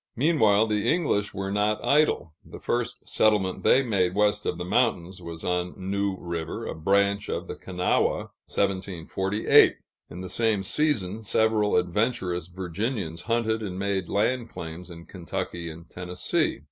Meanwhile, the English were not idle. The first settlement they made west of the mountains, was on New River, a branch of the Kanawha (1748); in the same season, several adventurous Virginians hunted and made land claims in Kentucky and Tennessee.